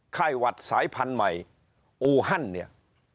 หวัดสายพันธุ์ใหม่อูฮันเนี่ย